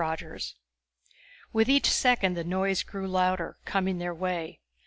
VIII With each second the noise grew louder, coming their way.